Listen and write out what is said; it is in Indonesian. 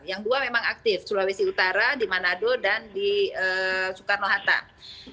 yang dua memang aktif sulawesi utara di manado dan di soekarno hatta